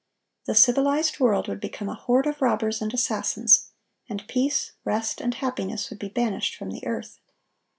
The civilized world would become a horde of robbers and assassins; and peace, rest, and happiness would be banished from the earth.